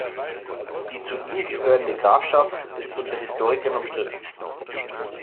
Die zu ihm gehörende Grafschaft ist unter Historikern umstritten.